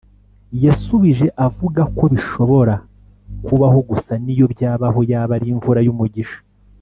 yasubije avugako bishobora kubaho gusa niyo byabaho yaba ari imvura y’ umugisha